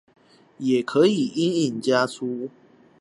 也可以陰影加粗